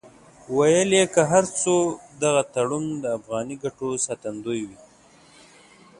ویل یې که هر څو دغه تړون د افغاني ګټو ساتندوی وي.